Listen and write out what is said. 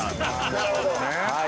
なるほど。